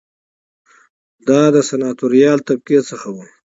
دا د سناتوریال طبقې څخه و